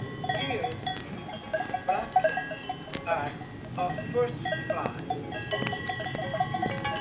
Years in brackets are of first flight.